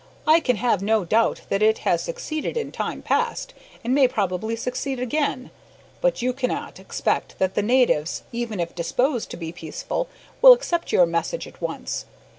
"I can have no doubt that it has succeeded in time past, and may probably succeed again, but you cannot expect that the natives, even if disposed to be peaceful, will accept your message at once.